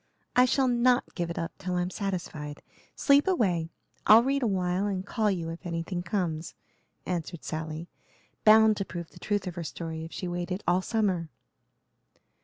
"I shall not give it up till I'm satisfied. Sleep away, I'll read awhile and call you if anything comes," answered Sally, bound to prove the truth of her story if she waited all summer.